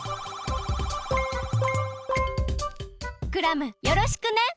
クラムよろしくね！